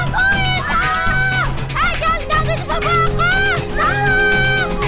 jangan takut sepupu aku